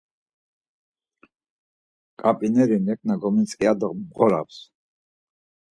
Ǩap̌ineri neǩna gomintzǩi ya do mğorams.